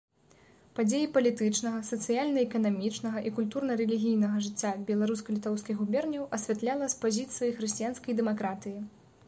Падзеі палітычнага, сацыяльна-эканамічнага і культурна-рэлігійнага жыцця беларуска-літоўскіх губерняў асвятляла з пазіцыі хрысціянскай дэмакратыі.